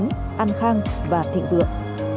tham khang và thịnh vượng